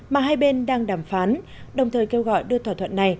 mà hai bên đang đàm phán đồng thời kêu gọi đưa thỏa thuận này